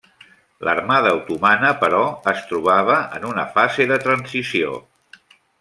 L'Armada otomana, però, es trobava en una fase de transició.